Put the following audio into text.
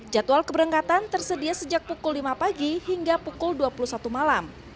jadwal keberangkatan tersedia sejak pukul lima pagi hingga pukul dua puluh satu malam